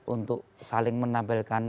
untuk saling menampilkan